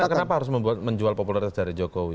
kenapa harus menjual popularitas dari jokowi